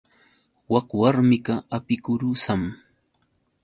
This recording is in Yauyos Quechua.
Wak warmiqa apikurusam.